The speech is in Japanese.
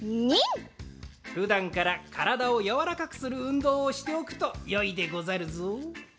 ニン！ふだんからからだをやわらかくするうんどうをしておくとよいでござるぞ。